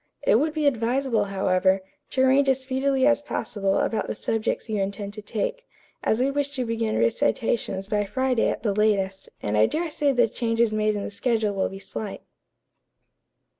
It would be advisable, however, to arrange as speedily as possible about the subjects you intend to take, as we wish to begin recitations by Friday at the latest, and I dare say the changes made in the schedule will be slight."